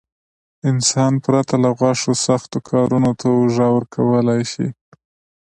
انسان پرته له غوښو سختو کارونو ته اوږه ورکولای شي.